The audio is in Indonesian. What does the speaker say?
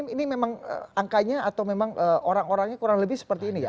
ini memang angkanya atau memang orang orangnya kurang lebih seperti ini ya